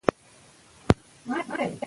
کرنیزې ځمکې له ګواښونو سره مخ دي.